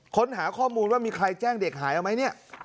ค้นหาข้อมูลว่ามีใครแจ้งเด็กหายเอาไหมเนี่ย